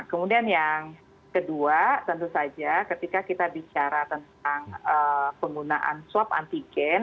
kemudian yang kedua tentu saja ketika kita bicara tentang penggunaan swab antigen